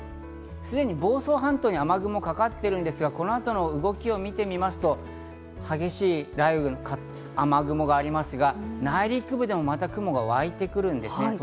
すでに房総半島に雨雲がかかっているんですが、この後の動きを見てみますと、激しい雷雨、雨雲がありますが、内陸部でもまた雲が沸いてくるんです。